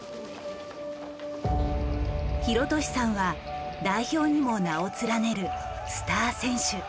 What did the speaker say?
広利さんは代表にも名を連ねるスター選手。